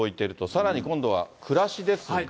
さらに今度は暮らしですが。